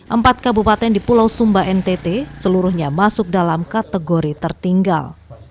empat kabupaten di pulau sumba ntt seluruhnya masuk dalam kategori tertinggal